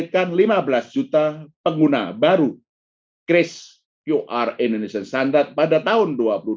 dan berhasil memperbaiki transaksi qr indonesian standard pada tahun dua ribu dua puluh dua